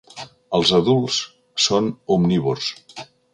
Els adults són omnívors.